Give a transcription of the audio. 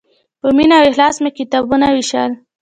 په مینه او اخلاص مې کتابونه ووېشل.